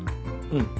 うん。